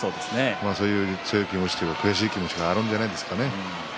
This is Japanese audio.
そういう強い気持ち悔しい気持ちがあるんじゃないですかね。